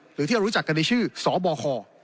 หรือที่เรารู้จักกันในชื่อสบค